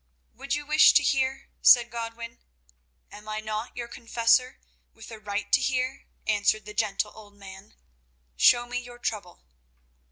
"Would you wish to hear?" said Godwin. "Am I not your confessor, with a right to hear?" answered the gentle old man. "Show me your trouble."